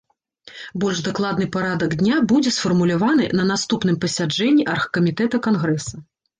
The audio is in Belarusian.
Больш дакладны парадак дня будзе сфармуляваны на наступным пасяджэнні аргкамітэта кангрэса.